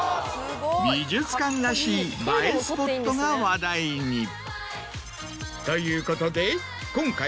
美術館らしい映えスポットが話題に。ということで。